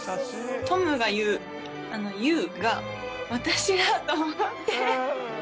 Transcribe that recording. トムが言うユーが、私だと思って。